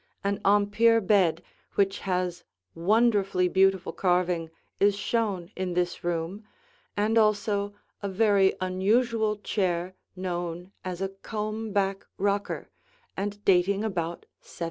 An Empire bed which has wonderfully beautiful carving is shown in this room, and also a very unusual chair known as a comb back rocker and dating about 1750.